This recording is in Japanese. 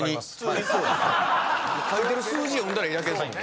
書いてる数字読んだらええだけですもん。